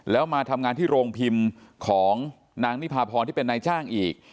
แล้วมาทำงานที่โรงพิมพ์ของนางนิพาพรที่เป็นนายจ้างอีก